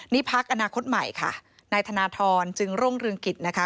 นี่พักอนาคตใหม่ค่ะนายธนทรจึงรุ่งเรืองกิจนะคะ